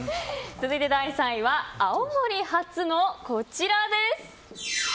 続いて第３位は青森発！のこちらです。